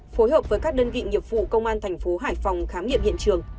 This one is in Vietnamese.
phối hợp với các đơn vị nghiệp vụ công an thành phố hải phòng khám nghiệm hiện trường